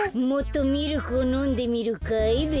もっとミルクをのんでみるかい？